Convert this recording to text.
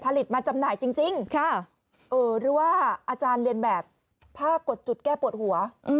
มาจำหน่ายจริงหรือว่าอาจารย์เรียนแบบผ้ากดจุดแก้ปวดหัว